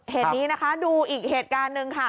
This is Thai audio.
เหตุการณ์นี้ดูอีกเหตุการณ์หนึ่งค่ะ